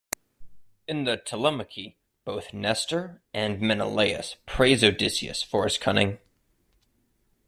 In the "Telemachy" both Nestor and Menelaus praise Odysseus for his cunning.